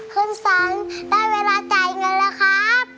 คุณสันได้เวลาจ่ายเงินแล้วครับ